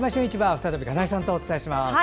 再び金井さんとお伝えします。